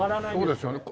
そうですよね。